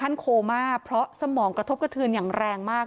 เลยนั้นพอสมองกระทบกระทืนยังแรงมาก